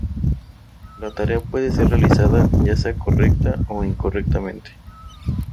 La tarea puede ser realizada ya sea correcta o incorrectamente.